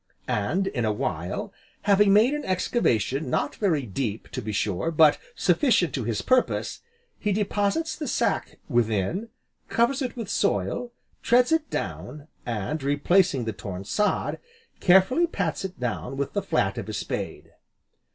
And, in a while, having made an excavation not very deep to be sure, but sufficient to his purpose, he deposits the sack within, covers it with soil, treads it down, and replacing the torn sod, carefully pats it down with the flat of his spade.